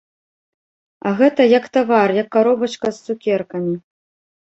А гэта як тавар, як каробачка з цукеркамі.